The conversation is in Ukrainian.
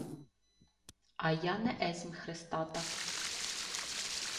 — А я не есмь хрестата.